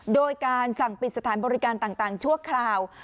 โดยการสั่งปิดสถานบริการต่างชั่วคราว